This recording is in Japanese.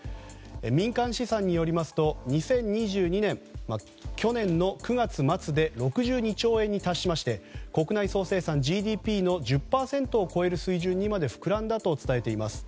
民間試算によりますと２０２２年、去年の９月末で６２兆円に達しまして国内総生産・ＧＤＰの１０％を超える水準にまで膨らんだと伝えています。